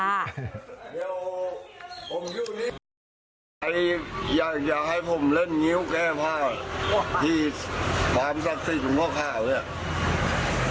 ใครอยากให้ผมเล่นงิ้วแก้ผ้าที่ฝามศักดิ์สิทธิ์หลวงพ่อข้าวเนี่ย